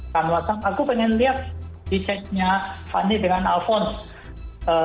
kan whatsapp aku ingin lihat di chat nya fanny dengan alphonse